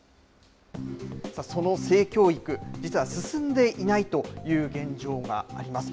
その性教育、実は進んでいないという現状があります。